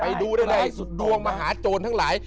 ไปดูได้ดวงมหาโจรทั้งหลาย